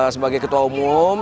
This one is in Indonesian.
sebagai ketua umum